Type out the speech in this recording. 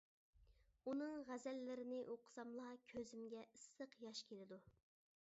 ئۇنىڭ غەزەللىرىنى ئوقۇساملا كۆزۈمگە ئىسسىق ياش كېلىدۇ.